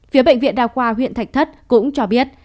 phía bệnh viện đa khoa huyện thạch thất cũng cho biết